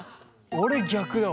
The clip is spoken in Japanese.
俺逆だわ。